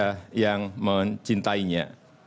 rakyat indonesia yang mencintainya